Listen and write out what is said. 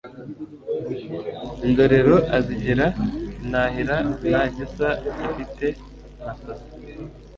Indorero azigira intahira nta gisa ifite Masasa